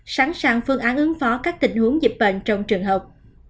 đáng sẵn phương án ứng phó các tình huống dịch bệnh trong trường hợp